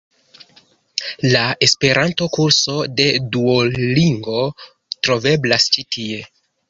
La Esperanto-kurso de Duolingo troveblas ĉi tie.